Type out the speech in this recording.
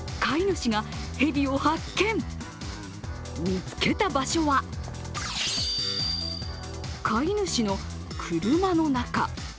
見つけた場所は、飼い主の車の中。